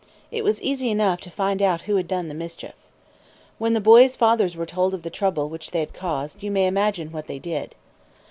It was easy enough to find out who had done the mischief. When the boys' fathers were told of the trouble which they had caused, you may imagine what they did.